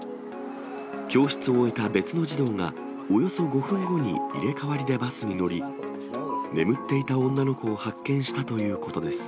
教室を終えた別の児童が、およそ５分後に入れ代わりでバスに乗り、眠っていた女の子を発見したということです。